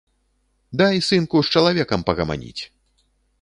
Дай, сынку, з чалавекам пагаманіць!